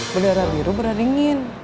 berdarah biru berdarah dingin